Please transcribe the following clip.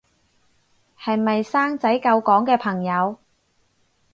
係咪生仔救港嘅朋友